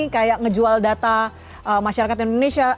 kayak ngejual data masyarakat indonesia